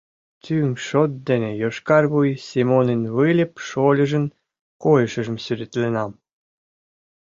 Тӱҥ шот дене йошкар вуй Семонын Выльып шольыжын койышыжым сӱретленам.